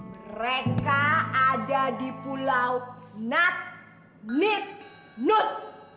mereka ada di pulau natnitnut